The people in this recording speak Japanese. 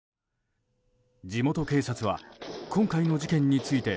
地元警察は、今回の事件について